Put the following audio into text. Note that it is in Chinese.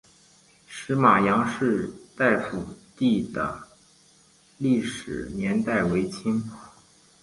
石码杨氏大夫第的历史年代为清。